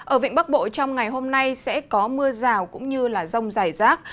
ở vịnh bắc bộ trong ngày hôm nay sẽ có mưa rào cũng như rông dài rác